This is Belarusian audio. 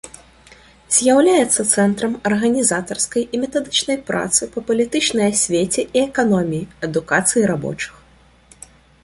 З'яўляецца цэнтрам арганізатарскай і метадычнай працы па палітычнай асвеце і эканоміі, адукацыі рабочых.